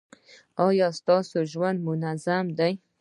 ایا ستاسو ژوند منظم دی؟